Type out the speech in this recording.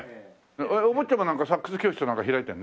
お坊ちゃまなんかサックス教室なんか開いてるの？